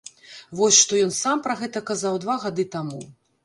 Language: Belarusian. Вось што ён сам пра гэта казаў два гады таму.